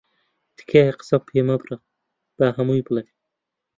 تکایە قسەم پێ مەبڕە، با هەمووی بڵێم.